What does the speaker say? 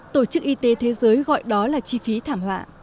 tổ chức y tế thế giới gọi đó là chi phí thảm họa